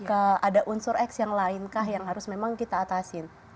apakah ada unsur x yang lain kah yang harus memang kita atasin